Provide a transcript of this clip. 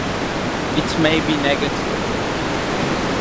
It may be negative.